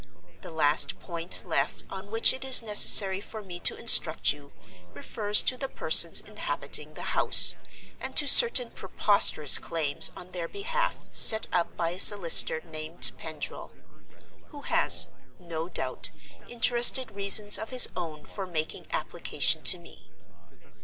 The last point left on which it is necessary for me to instruct you refers to the persons inhabiting the house, and to certain preposterous claims on their behalf set up by a solicitor named Pendril; who has, no doubt, interested reasons of his own for making application to me.